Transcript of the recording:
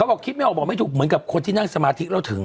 บอกคิดไม่ออกบอกไม่ถูกเหมือนกับคนที่นั่งสมาธิแล้วถึง